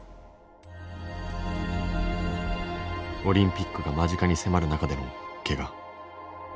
オリンピックが間近に迫る中でのけが。